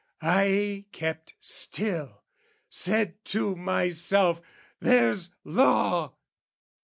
I kept still, said to myself, "There's law!"